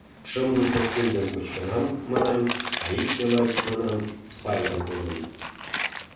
— Шымлу подкиндым кочкынам, манам, а икте лач, манам, спайлан кодын...